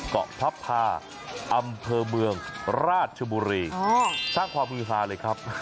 เกาะพับพาอำเภอเมืองราชบุรีสร้างความฮือฮาเลยครับ